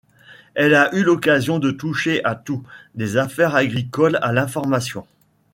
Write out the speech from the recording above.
Elle a eu l'occasion de toucher à tout, des affaires agricoles à l'information.